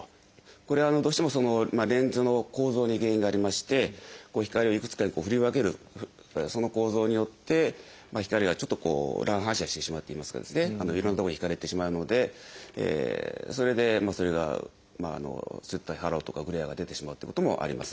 これはどうしてもレンズの構造に原因がありまして光をいくつかに振り分けるその構造によって光がちょっと乱反射してしまっていますからいろんな所に光が行ってしまうのでそれでそれがそういったハローとかグレアが出てしまうということもあります。